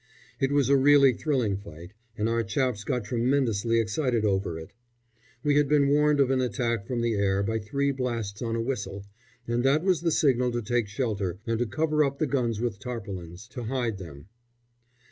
It was a really thrilling fight, and our chaps got tremendously excited over it. We had been warned of an attack from the air by three blasts on a whistle, and that was the signal to take shelter and to cover up the guns with tarpaulins, to hide them.